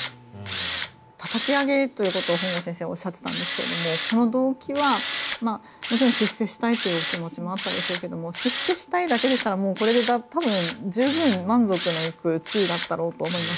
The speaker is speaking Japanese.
たたき上げという事を本郷先生おっしゃってたんですけどもこの動機はもちろん出世したいというお気持ちもあったでしょうけども出世したいだけでしたらもうこれで多分十分満足のいく地位だったろうと思います。